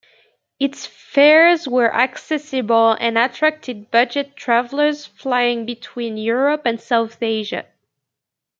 Its fares were accessible and attracted budget travellers flying between Europe and South Asia.